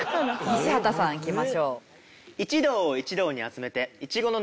西畑さんいきましょう。